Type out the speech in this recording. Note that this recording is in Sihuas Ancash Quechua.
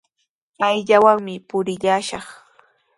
Payllawanmi purillashaq.